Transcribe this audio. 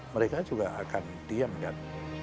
mereka juga akan diam kan